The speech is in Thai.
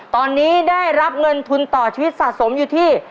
ตอนนี้ได้รับเงินทุนต่อชีวิตสะสมอยู่ที่